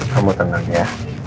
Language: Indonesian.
kamu tenang ya